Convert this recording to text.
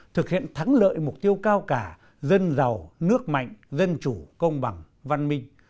thực hiện thắng lợi mục tiêu cao cả dân giàu nước mạnh dân chủ công bằng văn minh